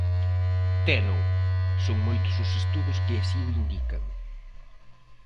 Teno, son moitos os estudos que así o indican.